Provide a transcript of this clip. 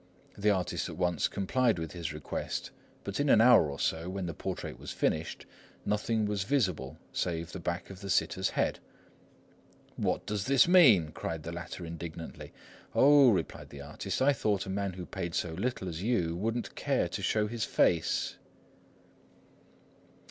The artist at once complied with his request, but in an hour or so, when the portrait was finished, nothing was visible save the back of the sitter's head. "What does this mean?" cried the latter, indignantly. "Oh," replied the artist, "I thought a man who paid so little as you wouldn't care to show his face!"